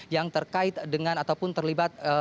yang terkait dengan ataupun terlibat